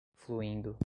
fluindo